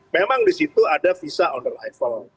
memang di situ ada visa on arrival